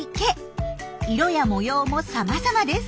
色や模様もさまざまです。